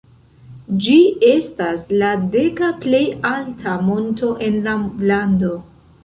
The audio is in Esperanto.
Ĝi estas la deka plej alta monto en la lando.